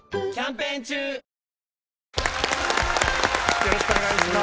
よろしくお願いします。